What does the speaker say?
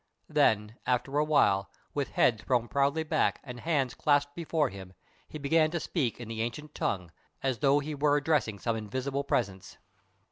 Then, after a while, with head thrown proudly back and hands clasped behind him, he began to speak in the Ancient Tongue, as though he were addressing some invisible presence.